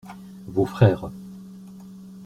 Vos frères.